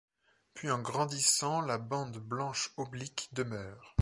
Puis en grandissant, la bande blanche oblique demeure.